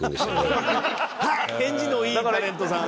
返事のいいタレントさん。